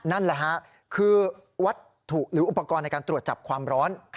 นั่นแหละฮะคือวัตถุหรืออุปกรณ์ในการตรวจจับความร้อน